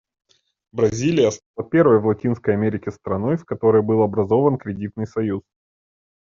Бразилия стала первой в Латинской Америке страной, в которой был образован кредитный союз.